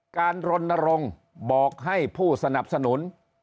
รณรงค์บอกให้ผู้สนับสนุน